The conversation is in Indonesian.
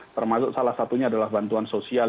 termasuk salah satunya adalah bantuan sosial